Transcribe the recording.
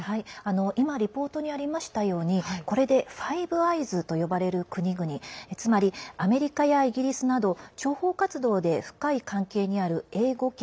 今リポートにありましたようにこれでファイブ・アイズと呼ばれる国々つまりアメリカやイギリスなど諜報活動で深い関係にある英語圏